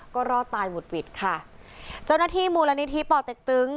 ก็รอดตายหุดหวิดค่ะเจ้าหน้าที่มูลนิธิป่อเต็กตึง